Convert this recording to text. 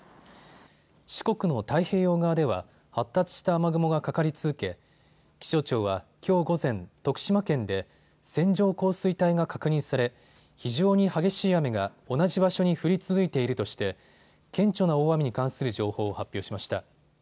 四国の太平洋側では発達した雨雲がかかり続け気象庁はきょう午前、徳島県で線状降水帯が確認され非常に激しい雨が同じ場所に降り続いているとして顕著な大雨に関する情報を発表しました。